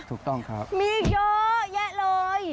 ถูกต้องครับมีเยอะแยะเลย